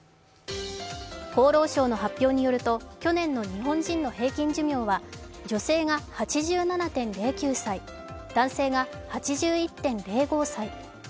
厚労省の発表によると去年の日本人の平均寿命は女性が８７．０９歳、男性が８１．０５歳。